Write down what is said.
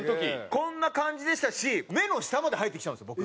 こんな感じでしたし目の下まで生えてきちゃうんですよ